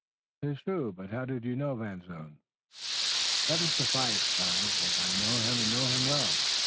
"'Tis true, but how do you know Van Zoon?" "Let it suffice, lad, that I know him and know him well.